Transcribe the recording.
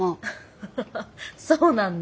ハハハそうなんだ。